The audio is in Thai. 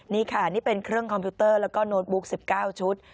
นี่ค่ะนี่เป็นเครื่องคอมพิวเตอร์แล้วก็โน้ตบุ๊ก๑๙ชุด